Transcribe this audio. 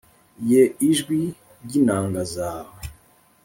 Ye ijwi ry inanga zawe